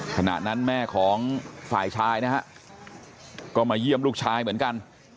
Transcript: ขณะนั้นแม่ของฝ่ายชายนะฮะก็มาเยี่ยมลูกชายเหมือนกัน